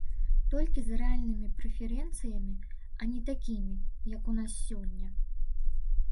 Толькі з рэальнымі прэферэнцыямі, а не такімі, як у нас сёння.